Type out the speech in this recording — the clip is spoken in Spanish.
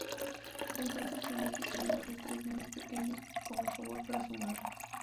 Entonces tendrá que cuidar de tres niños pequeños como favor para su madre.